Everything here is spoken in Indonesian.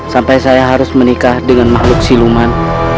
sampai saya harus menikah dengan makhluk siluman